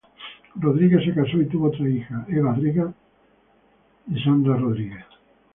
Rodríguez se casó y tuvo tres hijas Eva, Regan y Sandra Rodríguez.